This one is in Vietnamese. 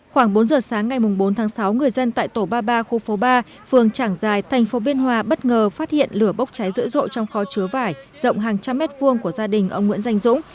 khoảng bốn giờ sáng ngày bốn tháng sáu người dân tại tổ ba mươi ba khu phố ba phường trảng giài thành phố biên hòa bất ngờ phát hiện lửa bốc cháy dữ dội trong kho chứa vải rộng hàng trăm mét vuông của gia đình ông nguyễn danh dũng